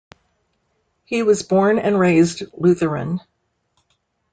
He was born and raised Lutheran.